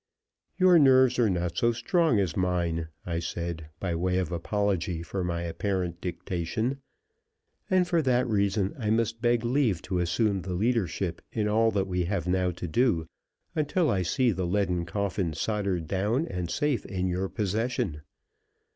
"Your nerves are not so strong as mine," I said, by way of apology for my apparent dictation, "and for that reason I must beg leave to assume the leadership in all that we have now to do, until I see the leaden coffin soldered down and safe in your possession.